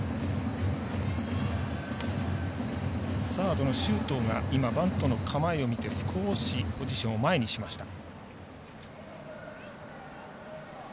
サードの周東が今バントの構えを見てポジションを少し前にしました。